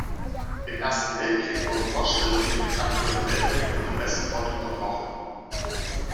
Im Ersten Weltkrieg wurden Vorstellungen durch aktuelle Meldungen von der Westfront unterbrochen.